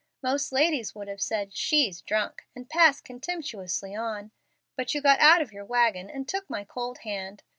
Most ladies would have said, 'She's drunk,' and passed contemptuously on. But you got out of your wagon and took my cold hand.